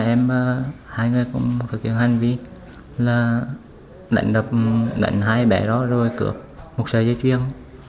em và hai người cũng thực hiện hành vi là đánh hai bé đó rồi cướp một sợi dây chuyên